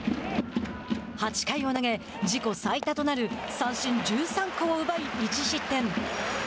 ８回を投げ、自己最多となる三振１３個を奪い１失点。